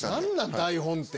台本って。